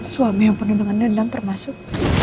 suami yang penuh dengan dendam termasuk